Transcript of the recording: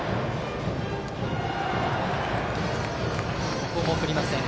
ここも振りません。